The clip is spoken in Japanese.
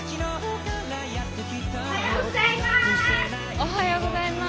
・おはようございます。